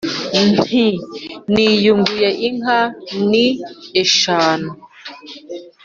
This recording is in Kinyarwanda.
Nti "niyunguye inka, ni eshanu;